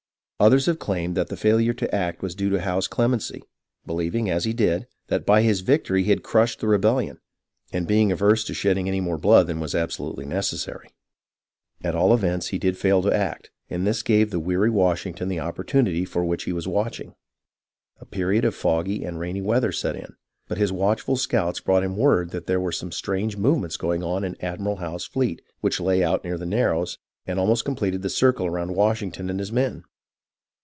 Others have claimed that the failure to act was due to Howe's clemency, believing, as he did, that by his victory he had crushed the rebellion, and being averse to shedding any more blood than was absolutely necessary. At all events he did fail to act, and this gave the weary Washington the opportunity for which he was watching. A period of foggy and rainy weather set in, but his watch ful scouts brought him word that there were some strange movements going on in Admiral Howe's fleet, which lay out near the Narrows and almost completed the circle around Washington and his men.